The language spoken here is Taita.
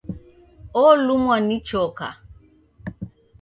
Olumwa ni choka